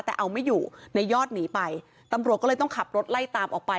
แต่เอาไม่อยู่ในยอดหนีไปตำรวจก็เลยต้องขับรถไล่ตามออกไป